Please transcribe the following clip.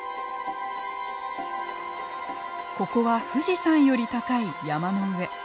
ここは富士山より高い山の上。